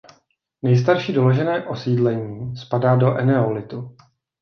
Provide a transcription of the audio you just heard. Nejstarší doložené osídlení spadá do eneolitu.